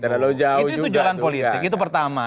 itu jualan politik itu pertama